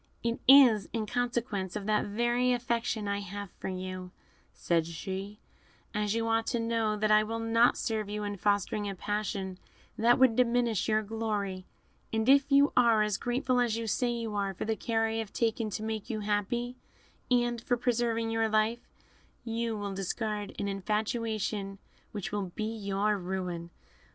"It is in consequence of that very affection I have for you," said she, "as you ought to know, that I will not serve you in fostering a passion that would diminish your glory; and if you are as grateful as you say you are for the care I have taken to make you happy, and for preserving your life, you will discard an infatuation which will be your ruin.